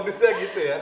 bonusnya gitu ya